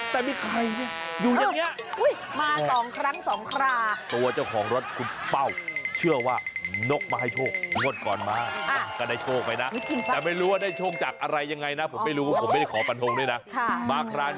แต่มีใครเนี่ยอยู่อย่างเนี่ย